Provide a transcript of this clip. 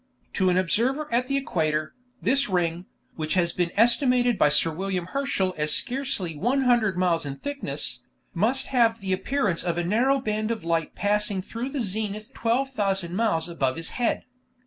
To an observer at the equator, this ring, which has been estimated by Sir William Herschel as scarcely 100 miles in thickness, must have the appearance of a narrow band of light passing through the zenith 12,000 miles above his head.